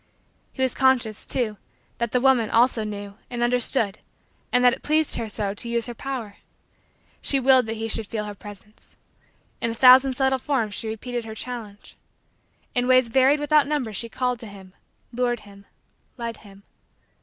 He was conscious, too, that the woman, also, knew and understood and that it pleased her so to use her power. She willed that he should feel her presence. In a thousand subtle forms she repeated her challenge. In ways varied without number she called to him, lured him, led him.